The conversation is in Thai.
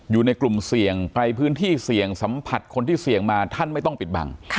อยู่ในกลุ่มเสี่ยงไปพื้นที่เสี่ยงสัมผัสคนที่เสี่ยงมาท่านไม่ต้องปิดบัง